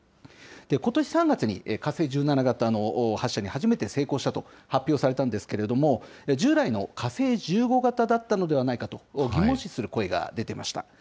ことし３月に火星１７型の発射に初めて成功したと発表されたんですけれども、従来の火星１５型だったのではないかと、疑問視する声が出ていました。